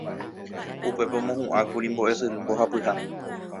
upépe omohu'ãkuri mbo'esyry mbohapyha